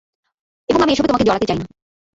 এবং আমি এসবে তোমাকে জড়াতে চাইনা।